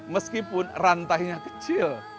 meskipun rantainya kecil